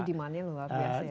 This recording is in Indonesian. jadi demandnya luar biasa ya